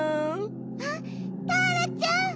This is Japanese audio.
あっターラちゃん！